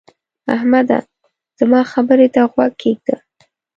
احمده! زما خبرې ته غوږ کېږده.